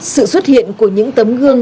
sự xuất hiện của những tấm gương